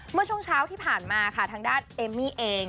เมื่อช่วงเช้าที่ผ่านมาค่ะทางด้านเอมมี่เอง